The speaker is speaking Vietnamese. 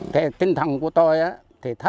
thế tinh thần của tôi thì thật